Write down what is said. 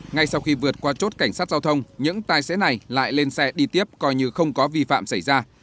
ngay sau khi vượt qua chốt cảnh sát giao thông những tài xế này lại lên xe đi tiếp coi như không có vi phạm xảy ra